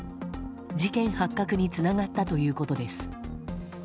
事件発覚につながったということです。